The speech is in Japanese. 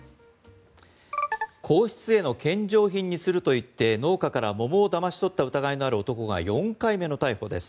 皇室への献上品にすると言って農家から桃をだまし取った疑いのある男が４回目の逮捕です。